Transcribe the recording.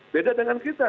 beda dengan kita